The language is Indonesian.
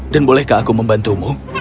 dan bolehkah aku membantumu